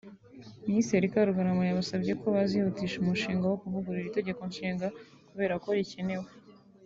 Minisitiri Karugarama yabasabye ko bazihutisha umushinga wo kuvugura itegeko nshinga kubera ko ricyenewe